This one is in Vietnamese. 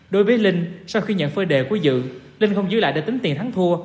đối với linh sau khi nhận phơi đề của dự linh không giữ lại để tính tiền thắng thua